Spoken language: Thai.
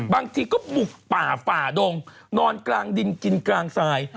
บางทีก็บุกป่าฝ่าดงนอนกลางดินกินกลางทราย